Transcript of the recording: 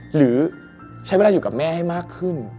หรือใช้เวลาอยู่กับแม่ให้มากขึ้น